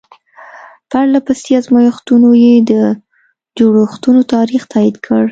پرله پسې ازمایښتونو یې د جوړښتونو تاریخ تایید کړ.